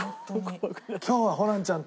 今日はホランちゃんと。